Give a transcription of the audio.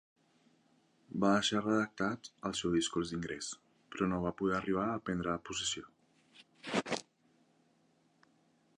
Va deixar redactat el seu discurs d'ingrés, però no va poder arribar a prendre possessió.